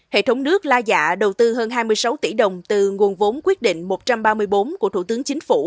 hệ thống nước la dạ đầu tư hơn hai mươi sáu tỷ đồng từ nguồn vốn quyết định một trăm ba mươi bốn của thủ tướng chính phủ